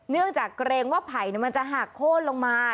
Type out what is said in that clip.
เนื่องจากเกรงว่าไผ่มันจะหักโค้นลงมา